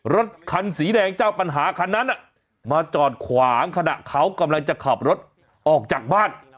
รถคันสีแดงเจ้าปัญหาคันนั้นมาจอดขวางขณะเขากำลังจะขับรถออกจากบ้าน